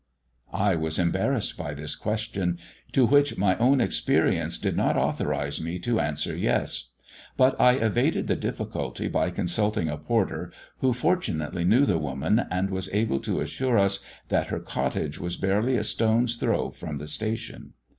I was embarrassed by this question, to which my own experience did not authorise me to answer yes; but I evaded the difficulty by consulting a porter, who fortunately knew the woman, and was able to assure us that her cottage was barely a stone's throw from the station.